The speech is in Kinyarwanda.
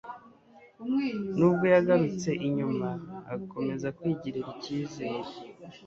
Nubwo yagarutse inyuma, akomeza kwigirira icyizere